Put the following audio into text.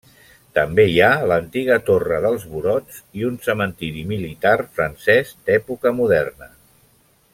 També hi ha l'antiga torre dels burots i un cementiri militar francès d'època moderna.